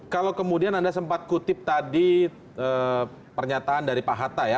kalau kemudian anda sempat kutip tadi pernyataan dari pak hatta ya